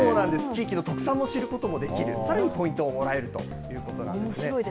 地域の特産も知ることもできる、さらにポイントももらえるということなんですね。